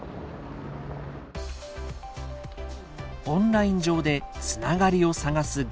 オンライン上でつながりを探す